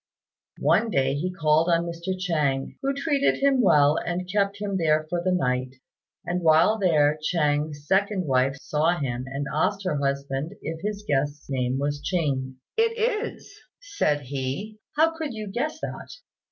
One day he called on Mr. Chêng, who treated him well and kept him there for the night; and while there Chêng's second wife saw him, and asked her husband if his guest's name wasn't Ching. "It is," said he, "how could you guess that?"